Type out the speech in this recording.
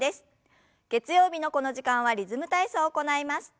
月曜日のこの時間は「リズム体操」を行います。